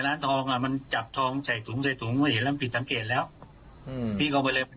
ตัดขาพนักงานมาแล้วพอล้มปั๊บ